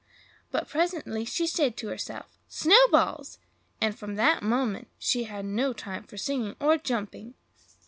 But presently she said to herself, "snowballs!" and from that moment she had no time for singing or jumping.